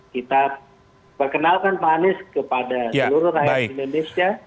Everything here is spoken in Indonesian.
kita perkenalkan pak anies kepada seluruh rakyat indonesia